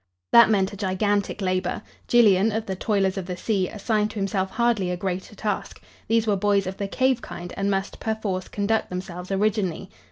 That meant a gigantic labor. Gillian, of "The Toilers of the Sea," assigned to himself hardly a greater task. These were boys of the cave kind and must, perforce, conduct themselves originally.